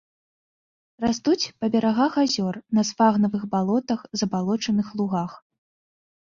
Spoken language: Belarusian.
Растуць па берагах азёр, на сфагнавых балотах, забалочаных лугах.